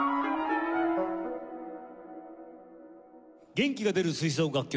元気が出る吹奏楽曲